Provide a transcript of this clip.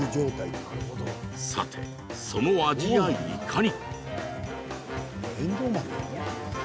さて、その味やいかに？